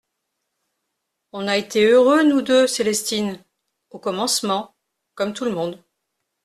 On a été heureux, nous deux Célestine, au commencement, comme tout le monde.